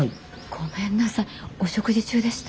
ごめんなさいお食事中でした？